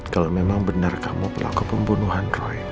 kalau memang benar kamu pelaku pembunuhan roy